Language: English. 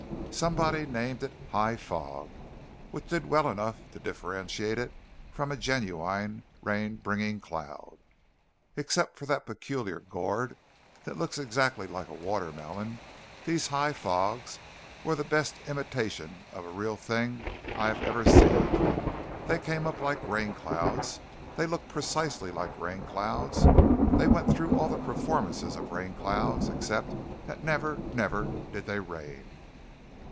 Somebody named it "high fog," which did well enough to differentiate it from a genuine rain bringing cloud. Except for that peculiar gourd that looks exactly like a watermelon, these "high fogs" were the best imitation of a real thing I have ever seen. They came up like rain clouds, they looked precisely like rain clouds, they went through all the performances of rain clouds except that never, never did they rain!